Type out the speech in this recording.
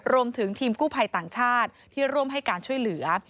รวมถึงทีมกู้ภัยต่างชาติที่ร่วมให้การช่วยเหลือ